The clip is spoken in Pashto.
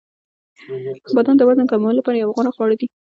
• بادام د وزن کمولو لپاره یو غوره خواړه دي.